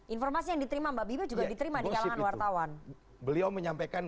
informasi yang diterima mbak bipip juga diterima di kalangan wartawan